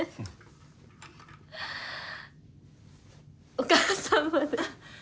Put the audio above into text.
お母さんまで。